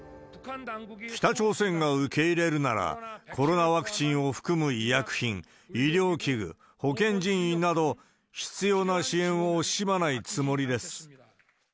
北朝鮮が受け入れるなら、コロナワクチンを含む医薬品、医療器具、保健人員など、必要な支援を惜しまないつもりです。